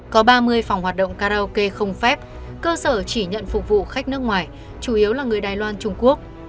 có ba mươi phòng hoạt động karaoke không phép cơ sở chỉ nhận phục vụ khách nước ngoài chủ yếu là người đài loan trung quốc